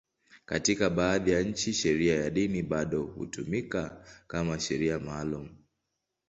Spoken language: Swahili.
Katika baadhi ya nchi, sheria ya dini bado hutumika kama sheria maalum.